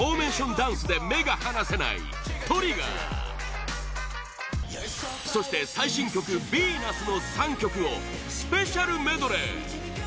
ダンスで目が離せない「Ｔｒｉｇｇｅｒ」そして、最新曲「Ｖｅｎｕｓ」の３曲をスペシャルメドレー！